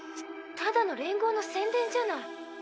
ただの連合の宣伝じゃない。